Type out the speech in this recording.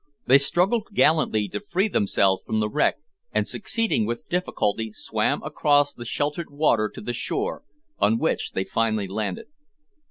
They struggled gallantly to free themselves from the wreck, and, succeeding with difficulty, swam across the sheltered water to the shore, on which they finally landed.